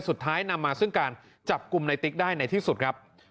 นำมาซึ่งการจับกลุ่มในติ๊กได้ในที่สุดครับ